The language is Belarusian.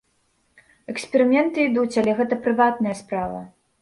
Эксперыменты ідуць, але гэта прыватная справа.